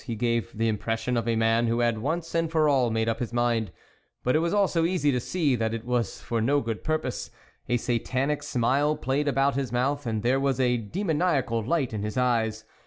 He gave the impression of a m.an who had once and for all made up his mind, but it was also easy to see that it was for no good purpose ; a Satanic smile played about his mouth, and there was a demoniacal light in his eyes.